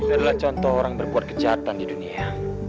ini adalah contoh orang yang berbuat kejahatan di dunia